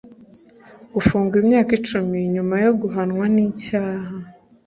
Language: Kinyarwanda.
gufungwa imyaka icumi nyuma yo guhamwa n’icyaha